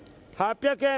８００円。